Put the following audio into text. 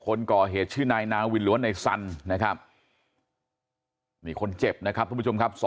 คนก่อเหตุชื่อนายนาวินหรือว่านายสันนะครับนี่คนเจ็บนะครับทุกผู้ชมครับ